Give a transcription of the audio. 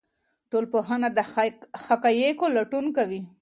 ټولنپوهنه د حقایقو لټون کوي.